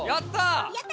やった。